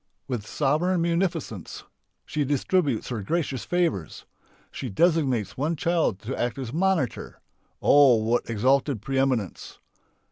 With sovereign munificence she distributes her gracious favours. She designates one child to act as "monitor" (oh, what exalted pre eminence!)